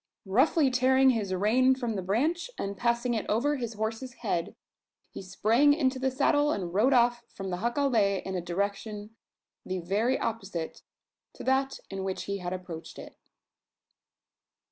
Roughly tearing his rein from the branch, and passing it over his horse's head, he sprang into the saddle, and rode off from the jacale in a direction the very opposite to that in which he had approached it.